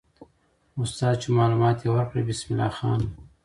استاد چې معلومات یې ورکړل، بسم الله خان وو.